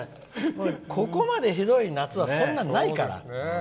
ここまでひどい夏はそんなにないから。